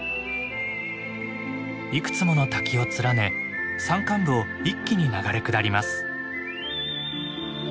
いくつもの滝を連ね山間部を一気に流れ下ります。